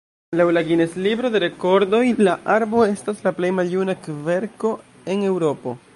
Laŭ la Guinness-libro de rekordoj la arbo estas la plej maljuna kverko en Eŭropo.